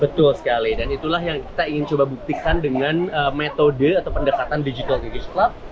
betul sekali dan itulah yang kita ingin coba buktikan dengan metode atau pendekatan digital gavis club